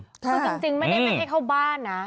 คือจริงไม่ได้ไม่ให้เข้าบ้านนะ